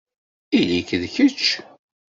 Ili-k d kečč.